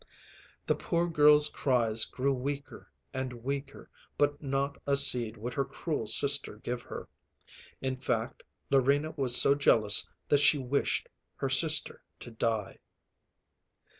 The poor girl's cries grew weaker and weaker, but not a seed would her cruel sister give her. In fact, Larina was so jealous that she wished her sister to die.